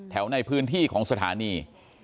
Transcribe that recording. ในพื้นที่ของสถานี